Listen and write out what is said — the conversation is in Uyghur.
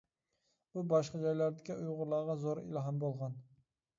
بۇ باشقا جايلاردىكى ئۇيغۇرلارغا زور ئىلھام بولغان.